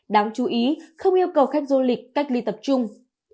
đáng chú ý không yêu cầu khách du lịch cách ly tập trung